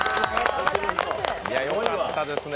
よかったですね。